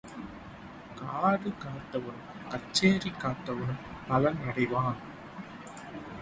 காடு காத்தவனும் கச்சேரி காத்தவனும் பலன் அடைவான்.